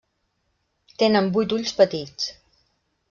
Tenen vuit ulls petits.